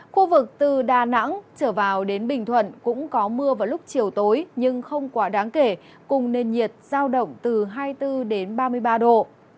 khu vực từ đà nẵng trở vào đến bình thuận cũng có mưa vào lúc chiều tối nhưng không quá đáng kể cùng nền nhiệt giao động từ hai mươi bốn ba mươi ba độ